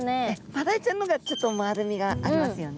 マダイちゃんの方がちょっと丸みがありますよね。